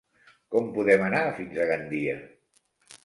Com podem anar fins a Gandia?